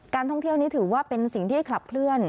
ท่องเที่ยวนี้ถือว่าเป็นสิ่งที่ขับเคลื่อน